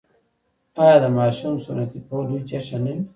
آیا د ماشوم سنتي کول لوی جشن نه وي؟